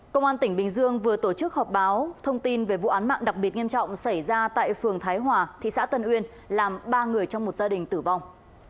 công an tỉnh bình dương vừa tổ chức họp báo thông tin về vụ án mạng đặc biệt nghiêm trọng xảy ra tại phường thái hòa thị xã tân uyên làm ba người trong một gia đình tử vong